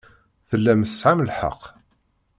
Tellam tesɛam lḥeqq.